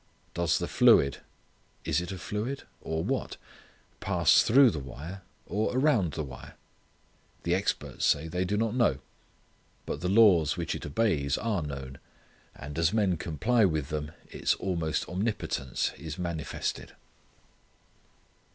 Does the fluid it a fluid? or, what? pass through the wire? or, around the wire? The experts say they do not know. But the laws which it obeys are known. And as men comply with them its almost omnipotence is manifested.